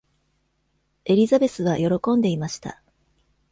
エリザベスは喜んでいました。